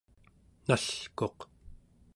nalkuq